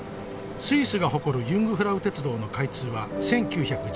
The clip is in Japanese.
「スイスが誇るユングフラウ鉄道の開通は１９１２年。